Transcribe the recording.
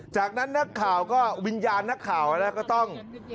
จากนั้นนักข่าวก็วิญญาณนักข่าวก็ต้อง